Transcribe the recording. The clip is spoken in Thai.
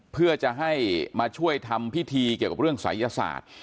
เพื่อจะให้มาช่วยทำพิธีเกี่ยวกับเรื่องศัยศาสตร์